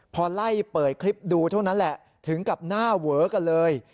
พอไล่เปิดคลิปดูเท่านั้นแหละถึงกับหน้าเวอกันเลย